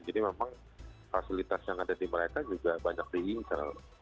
jadi memang fasilitas yang ada di mereka juga banyak diingkal